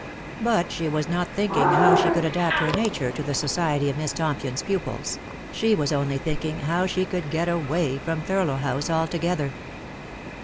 But she was not thinking how she could adapt her nature to the society of Miss Tompion's pupils ; she was only thinking how she could get away from Thurlow House altogether.